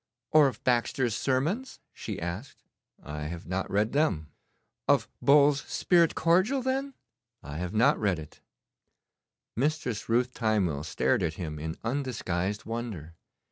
'Or of Baxter's Sermons?' she asked. 'I have not read them.' 'Of Bull's "Spirit Cordial," then?' 'I have not read it.' Mistress Ruth Timewell stared at him in undisguised wonder.